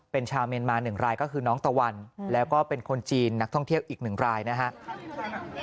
เป็นชาวเมียนมา๑รายก็คือน้องตะวันแล้วก็เป็นคนจีนนักท่องเที่ยวอีก๑รายนะครับ